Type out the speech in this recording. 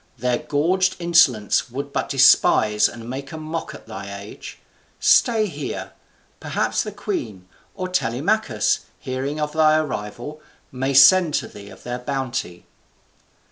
Their gorged insolence would but despise and make a mock at thy age. Stay here. Perhaps the queen, or Telemachus, hearing of thy arrival, may send to thee of their bounty."